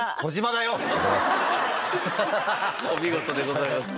お見事でございます。